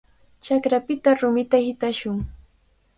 Chakrapita rumita hitashun.